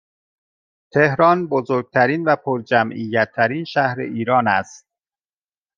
تهران بزرگترین و پرجمعیت ترین شهر ایران است